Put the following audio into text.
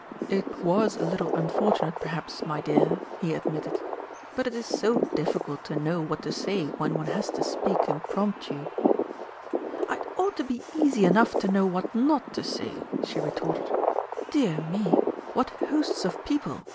"It was a little unfortunate, perhaps, my dear," he admitted; "but it is so difficult to know what to say when one has to speak impromptu." "It ought to be easy enough to know what not to say," she retorted. "Dear me, what hosts of people!"